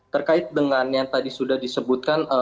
terkait dengan yang tadi sudah disebutkan